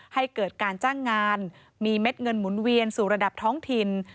ให้เกิดการจ้างงานมีเม็ดเงินหมุนเวียนสู่ระดับท้องถิ่น